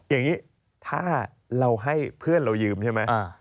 อย่างนี้ถ้าเราให้เพื่อนเรายืมใช่ไหม